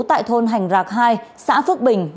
tại thôn hành rạc hai xã phước bình